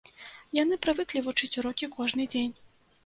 Яны прывыклі вучыць урокі кожны дзень.